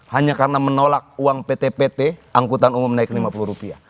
hanya karena menolak uang pt pt angkutan umum naik rp lima puluh